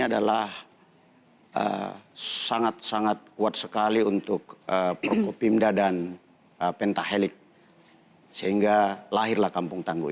adalah sangat sangat kuat sekali untuk prokopimda dan pentahelik sehingga lahirlah kampung tangguh